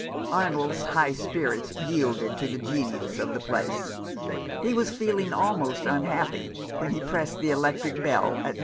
Arnold's high spirits yielded to the genius of the place. He was feeling almost unhappy when he pressed the electric bell at No.